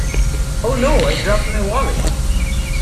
Oh No! I dropped my wallet!